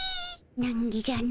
なんぎじゃの。